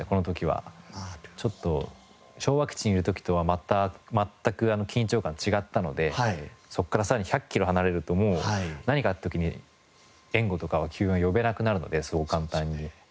ちょっと昭和基地にいる時とは全く緊張感違ったのでそこからさらに１００キロ離れるともう何かあった時に援護とか救援を呼べなくなるのでそう簡単に。